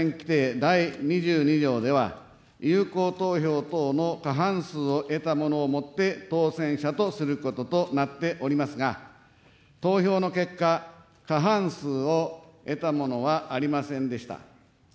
第２２条では、有効投票等の過半数を得たものをもって、当選者とすることとなっておりますが、投票の結果、過半数を得た者はありませんでした。